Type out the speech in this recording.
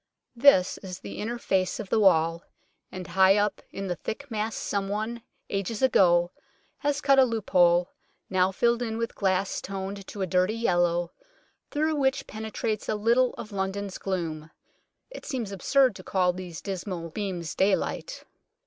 This is the inner face of the wall, and high up in the thick mass someone, ages ago, has cut a loophole, now filled in with glass toned to a dirty yellow, through which penetrates a little of London's gloom it seems absurd to call these dismal beams daylight.